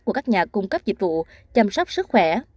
của các nhà cung cấp dịch vụ chăm sóc sức khỏe